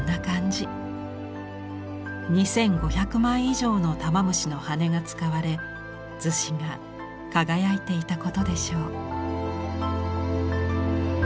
２，５００枚以上の玉虫の羽が使われ厨子が輝いていたことでしょう。